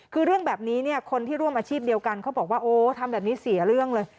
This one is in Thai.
คือเรื่องแบบนี้เนี่ยคนที่ร่วมอาชีพเดียวกันเขาบอกว่าโอ้ทำแบบนี้เสียเรื่องเลย